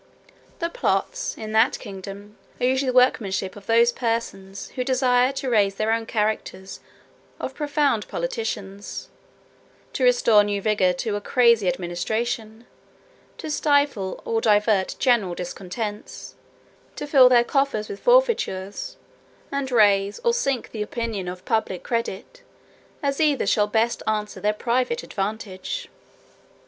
The plots, in that kingdom, are usually the workmanship of those persons who desire to raise their own characters of profound politicians; to restore new vigour to a crazy administration; to stifle or divert general discontents; to fill their coffers with forfeitures; and raise, or sink the opinion of public credit, as either shall best answer their private advantage.